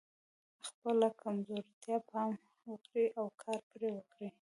خپلو کمزوریو ته پام وکړئ او کار پرې وکړئ.